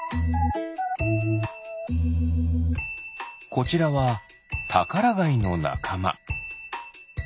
こちらはタカラガイのなかま。